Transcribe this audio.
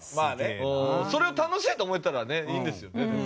それを楽しいと思えたらねいいんですよね。